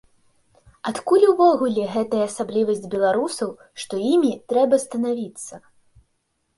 Адкуль увогуле гэтая асаблівасць беларусаў, што імі трэба станавіцца?